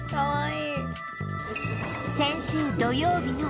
かわいい。